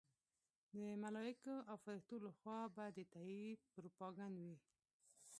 د ملایکو او فرښتو لخوا به د تایید پروپاګند وي.